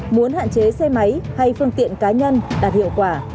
muốn hạn chế xe máy hay phương tiện cá nhân đạt hiệu quả